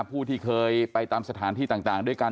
ผู้ที่เคยไปตามสถานที่ต่างด้วยกัน